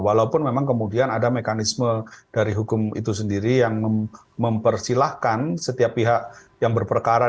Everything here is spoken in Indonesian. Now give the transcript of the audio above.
walaupun memang kemudian ada mekanisme dari hukum itu sendiri yang mempersilahkan setiap pihak yang berperkara